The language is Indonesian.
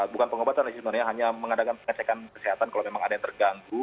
bukan pengobatan sih sebenarnya hanya mengadakan pengecekan kesehatan kalau memang ada yang terganggu